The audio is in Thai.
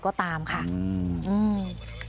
ก็ตามค่ะอืม